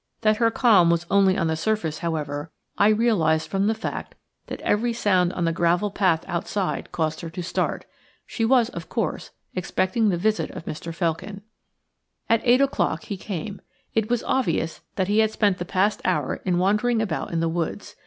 That her calm was only on the surface, however, I realised from the fact that every sound on the gravel path outside caused her to start. She was, of course, expecting the visit of Mr. Felkin. At eight o'clock he came. It was obvious that he had spent the past hour in wandering about in the woods.